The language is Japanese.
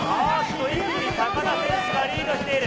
一気に高田選手がリードしている。